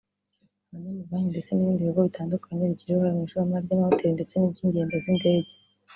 abanyamabanki ndetse n’ibindi bigo bitandukanye bigira uruhare mu ishoramari ry’amahoteli ndetse n’iby’ingendo z’indege